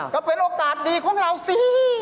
ก็เป็นโอกาสดีของเราสิ